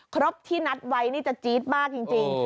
ครบที่นัดไว้นี่จะจี๊ดมากจริง